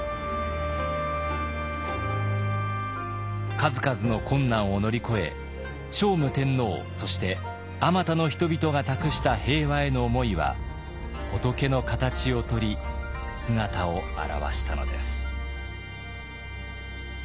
数々の困難を乗り越え聖武天皇そしてあまたの人々が託した平和への思いは仏の形をとり姿を現したのです。